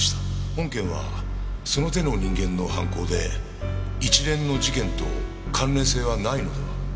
本件はその手の人間の犯行で一連の事件と関連性はないのでは？